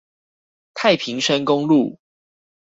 太平山公路